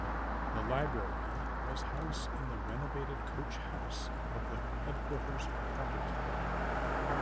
The library was house in the renovated coach house of the Headquarters property.